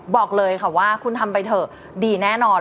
บอกเลยค่ะว่าคุณทำไปเถอะดีแน่นอน